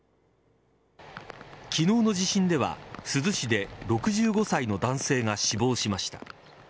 昨日の地震では珠洲市で６５歳の男性が死亡しました。